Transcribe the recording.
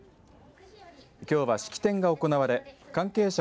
きょうは式典が行われ、関係者